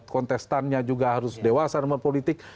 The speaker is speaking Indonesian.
kontestannya juga harus dewasa nomor politik